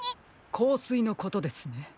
こうすいのことですね。